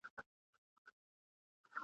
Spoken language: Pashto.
هر گړی راته تر سترگو سترگو کېږې !.